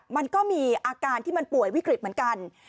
มันก็มีอาการที่มันป่วยวิกฤตเหมือนกัน